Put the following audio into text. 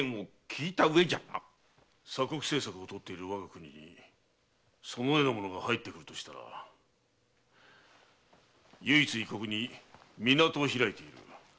鎖国政策をとっている我が国にそのようなものが入るとしたら唯一異国に港を開いている長崎の出島しかないな。